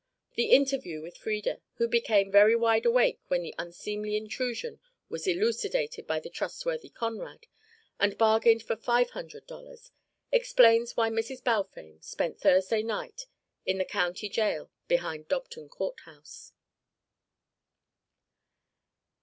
The interview with Frieda, who became very wide awake when the unseemly intrusion was elucidated by the trustworthy Conrad, and bargained for five hundred dollars, explains why Mrs. Balfame spent Thursday night in the County Jail behind Dobton Courthouse.